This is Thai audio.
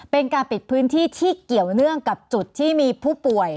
เป็นการปิดพื้นที่ที่เกี่ยวเนื่องกับจุดที่มีผู้ป่วย